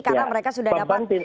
karena mereka sudah dapat